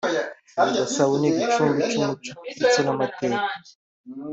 ubu Gasabo ni igicumbi cy’umuco ndetse n’amateka